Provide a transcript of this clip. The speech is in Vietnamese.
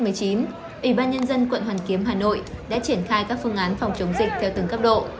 ủy ban nhân dân quận hoàn kiếm hà nội đã triển khai các phương án phòng chống dịch theo từng cấp độ